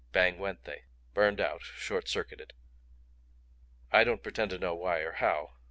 "Bang went they. Burned out short circuited. I don't pretend to know why or how.